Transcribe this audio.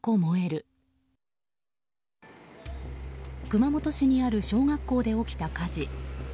熊本市にある小学校で起きた火事。